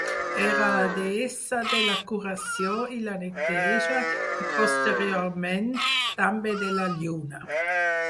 Era la deessa de la curació i la neteja, i posteriorment, també de la lluna.